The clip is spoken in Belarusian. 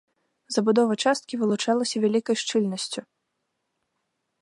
Забудова часткі вылучалася вялікай шчыльнасцю.